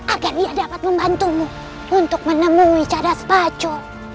agar dia dapat membantumu untuk menemui cadas bajo